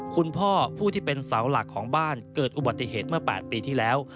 คุณพ่อผู้ที่เป็นเสาหลักของบ้านเกิดอุบัติเหตุเมื่อ๘ปีที่แล้ว